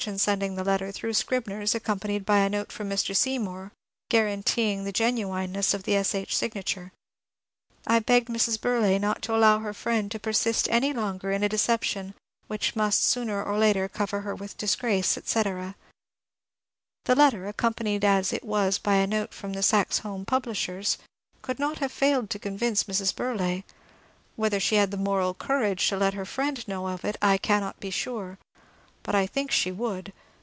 and sending the letter through the Scribners accompanied by a note from Mr. Seymour guaranteeing the genuineness of the S. H. signature). I begged Mrs. Burleigh not to allow her friend to persist any longer in a deception which must sooner or later cover her with disgrace, etc. The letter, accompanied as it was by a note from the Saxe Holm publishers, could not have failed to convince Mrs. Burleigh. Whether she had the moral courage to let her friend know of it I cannot be sure, but I think she would.